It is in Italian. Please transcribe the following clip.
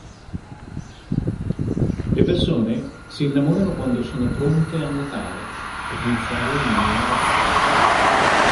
Le persone si innamorano quando sono pronte a mutare, ad iniziare una nuova vita.